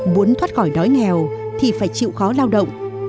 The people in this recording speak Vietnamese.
muốn thoát khỏi đói nghèo thì phải chịu khó lao động